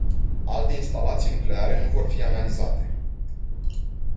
Alte instalații nucleare nu vor fi analizate.